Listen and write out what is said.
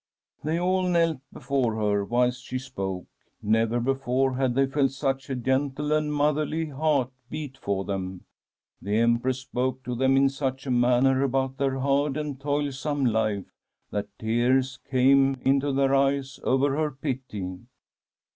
*" They all knelt before her whilst she spoke. Never before had they felt such a gentle and motherly heart beat for them. The Empress spoke to them in such a manner about their hard and toilsome life that tears came into their eyes over her pity.